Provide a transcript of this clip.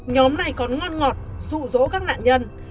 nhóm này còn ngon ngọt rụ rỗ các nạn nhân